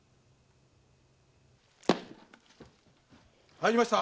入りました。